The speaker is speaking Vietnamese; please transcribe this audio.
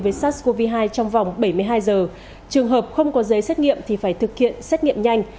với sars cov hai trong vòng bảy mươi hai giờ trường hợp không có giấy xét nghiệm thì phải thực hiện xét nghiệm nhanh